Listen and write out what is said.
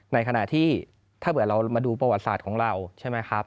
ในขณะที่ถ้าเผื่อเรามาดูประวัติศาสตร์ของเราใช่ไหมครับ